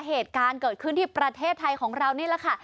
เหตุการณ์เกิดขึ้นที่ประเทศไทยของเรานี่แหละค่ะ